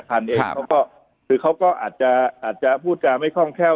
ทันเองเขาก็อาจจะพูดการไม่ค่องแค่ว